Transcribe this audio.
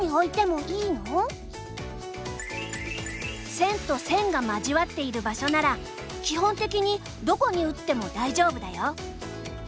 線と線が交わっている場所なら基本的にどこに打っても大丈夫だよ。